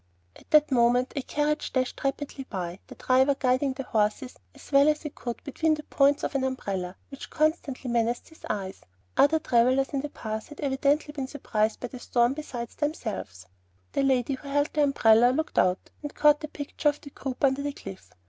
At that moment a carriage dashed rapidly by, the driver guiding the horses as well as he could between the points of an umbrella, which constantly menaced his eyes. Other travellers in the pass had evidently been surprised by the storm besides themselves. The lady who held the umbrella looked out, and caught the picture of the group under the cliff.